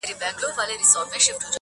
ما چي توبه وکړه اوس ناځوانه راته و ویل.